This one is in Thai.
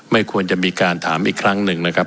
ไม่ควรจะมีการถามอีกครั้งหนึ่งนะครับ